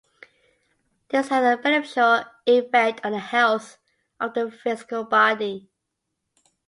This has a beneficial effect on the health of the physical body.